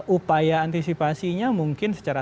upaya antisipasinya mungkin secara